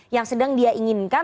yang sedang dia inginkan